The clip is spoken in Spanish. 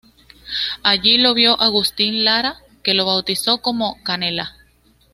Allí lo vio Agustín Lara que lo bautizó como "Canela".